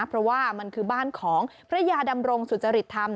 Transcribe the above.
เพราะว่ามันคือบ้านของพระยาดำรงสุจริตธรรม